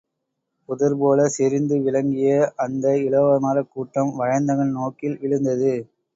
புதர்போலச் செறிந்து விளங்கிய அந்த இலவமரக் கூட்டம், வயந்தகன் நோக்கில் விழுந்தது.